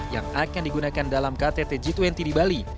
yang akan digunakan dalam ktt g dua puluh di bali